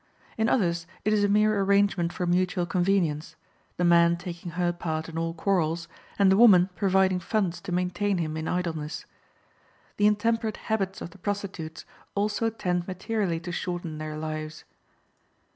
In others it is a mere arrangement for mutual convenience, the man taking her part in all quarrels, and the woman providing funds to maintain him in idleness. The intemperate habits of the prostitutes also tend materially to shorten their lives.